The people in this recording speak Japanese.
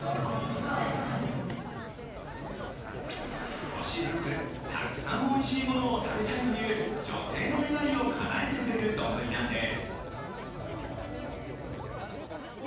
少しずつ、たくさんおいしいものを食べたいという女性の願いをかなえてくれる丼なんです。